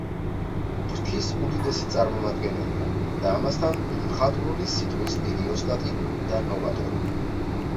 ფრთის უდიდესი წარმომადგენელია და, ამასთან, მხატვრული სიტყვის დიდი ოსტატი და ნოვატორი.